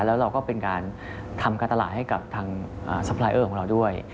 แล้วเราก็เป็นการทำการตลาดให้กับทางซัพพลายเออร์ของเราด้วย